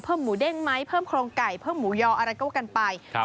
เพิ่มหมูเด้งไม้เพิ่มครองไก่เพิ่มหมูยออะไรก็ว่ากันไป